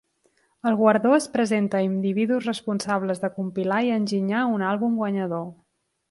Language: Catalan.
El guardó es presenta a individus responsables de compilar i enginyar un àlbum guanyador.